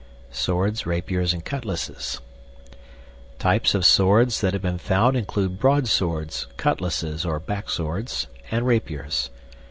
SWORDS, RAPIERS, AND CUTLASSES Types of swords that have been found include broadswords, cutlasses or back swords, and rapiers.